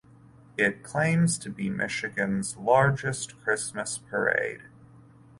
It claims to be Michigan's largest Christmas parade.